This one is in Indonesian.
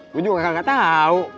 gue juga kagak tahu